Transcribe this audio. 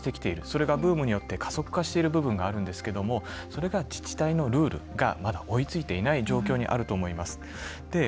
それがブームによって加速化している部分があるんですけどもそれが自治体のルールがまだ追いついていない状況にあると思います。